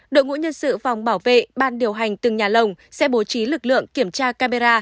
đội ngũ nhân sự phòng bảo vệ ban điều hành từng nhà lồng sẽ bố trí lực lượng kiểm tra camera